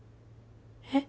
えっ？